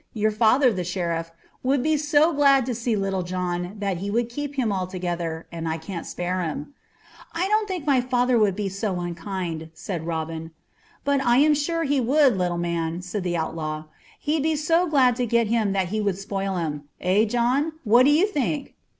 Your father, the Sheriff, would be so glad to see Little John that he would keep him altogether; and I can't spare him." "I don't think my father would be so unkind," said Robin. "But I am sure he would, little man," said the outlaw. "He'd be so glad to get him that he would spoil him. Eh, John? What do you think?"